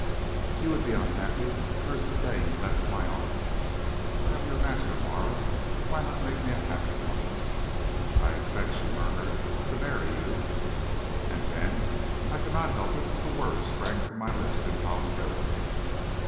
You would be unhappy, and curse the day you left my arms. I am your master, Marah; why not make me a happy one?' "'I expect,' she murmured, 'to marry you.' "'And then?' I could not help it; the words sprang to my lips involuntarily.